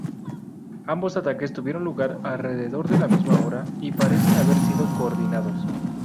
Ambos ataques tuvieron lugar alrededor de la misma hora y parecen haber sido coordinados.